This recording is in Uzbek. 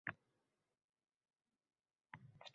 Tashvishlar yeb qo’yar yuragimizni